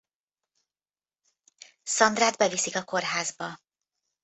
Sandrát beviszik a kórházba.